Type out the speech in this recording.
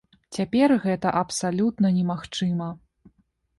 Цяпер гэта абсалютна немагчыма.